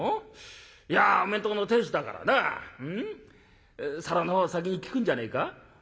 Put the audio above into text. いやお前んとこの亭主だからな皿のほうを先に聞くんじゃねえか？」。